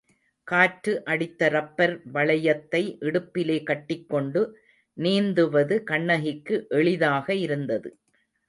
காற்று அடித்த ரப்பர் வளையத்தை இடுப்பிலே கட்டிக்கொண்டு நீந்துவது கண்ணகிக்கு எளிதாக இருந்தது.